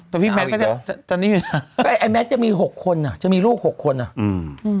แต่พี่แมทก็จะตอนนี้อยู่นะไอ้แมทจะมีหกคนอ่ะจะมีลูกหกคนอ่ะอืม